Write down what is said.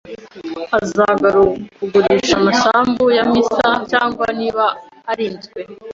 Azagurakugurisha amasambu ya Miser Cyangwa niba arinzwe